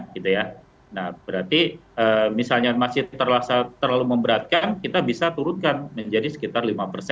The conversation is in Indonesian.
gitu ya nah berarti misalnya masih terlalu memberatkan kita bisa turunkan menjadi sekitar